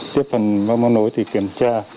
tiếp phần móc móc nối thì kiểm tra